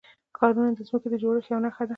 ښارونه د ځمکې د جوړښت یوه نښه ده.